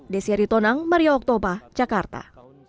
desyari tonang maria oktober jakarta